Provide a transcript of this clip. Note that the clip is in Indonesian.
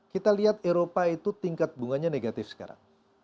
kita lihat eropa itu tingkat bunganya negatif sekarang